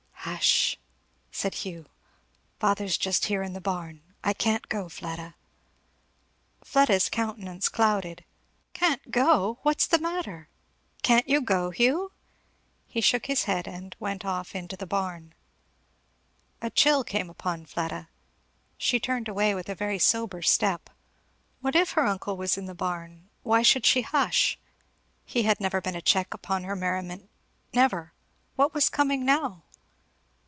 "Hush! " said Hugh. "Father's just here in the barn. I can't go, Fleda." Fleda's countenance clouded. "Can't go! what's the matter? can't you go, Hugh?" He shook his head and went off into the barn. A chill came upon Fleda. She turned away with a very sober step. What if her uncle was in the barn, why should she hush? He never had been a check upon her merriment, never; what was coming now?